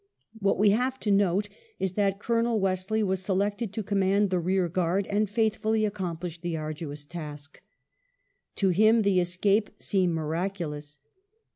What we have to note is that Colonel Wesley was selected to command the rear guard, and faithfully accomplished the arduous task. To him the escape seemed miraculous.